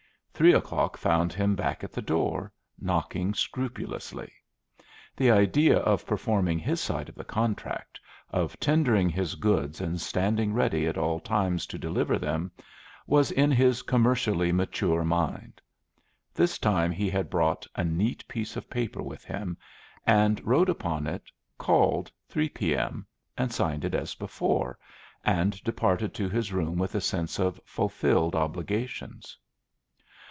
Three o'clock found him back at the door, knocking scrupulously, The idea of performing his side of the contract, of tendering his goods and standing ready at all times to deliver them, was in his commercially mature mind. This time he had brought a neat piece of paper with him, and wrote upon it, "Called, three P.M.," and signed it as before, and departed to his room with a sense of fulfilled obligations.